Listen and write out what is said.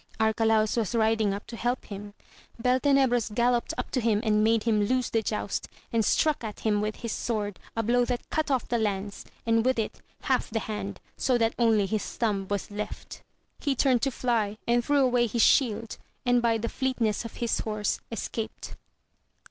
Arcalauft was riding up to help him. Beltenebros galloped up to him and made him lose the joust, and struck at him with his sword a blow that cut off the lance, and with it half the hand, so that only his thumb was left. He turned to fly, and threw away his shield, and by the fleetness of his horse escaped.